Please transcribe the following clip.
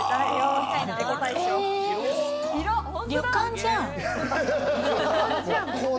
旅館じゃん。